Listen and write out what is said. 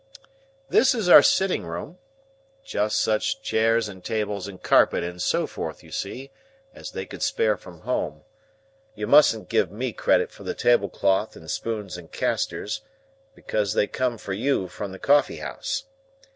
This is our sitting room,—just such chairs and tables and carpet and so forth, you see, as they could spare from home. You mustn't give me credit for the tablecloth and spoons and castors, because they come for you from the coffee house.